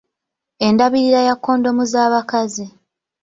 Endabirira ya kondomu z’abakazi.